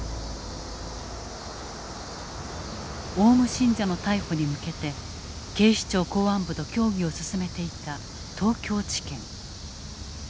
オウム信者の逮捕に向けて警視庁公安部と協議を進めていた東京地検。